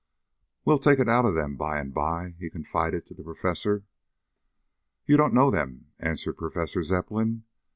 "We'll take it out of them by and by," he confided to the Professor. "You don't know them," answered Professor Zepplin.